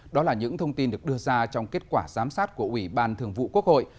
đó là những thông tin được đưa ra trong kết quả giám sát của ủy ban thường vụ quốc hội